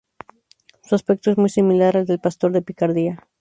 Su aspecto es muy similar al del pastor de Picardía.